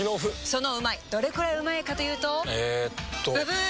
そのうまいどれくらいうまいかというとえっとブブー！